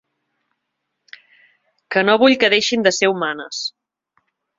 Que no vull que deixin de ser humanes.